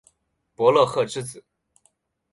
傅勒赫之子。